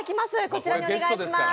こちらにお願いします。